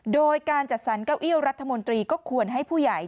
โดยการจัดสรรเก้าอี้รัฐมนตรีก็ควรให้ผู้ใหญ่